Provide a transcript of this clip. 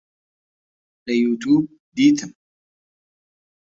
لە یوتیوب دیتم